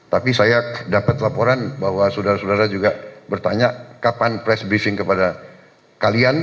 tapi saya dapat laporan bahwa saudara saudara juga bertanya kapan press briefing kepada kalian